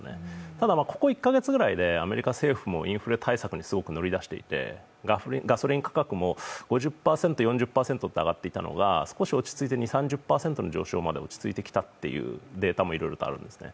ただ、ここ１ヶ月ぐらいでアメリカの政府もインフレに踏み出していてガソリン価格も５０％、６０％上がっていたのが少し落ち着いて２０３０％の上昇まで落ち着いてきたというデータもいろいろとあるんですね。